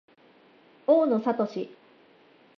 大野智